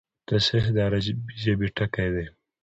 تصحیح د عربي ژبي ټکی دﺉ.